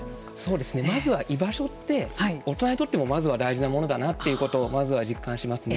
そうですねまずは居場所って大人にとってもまずは大事なものだなということをまずは実感しますね。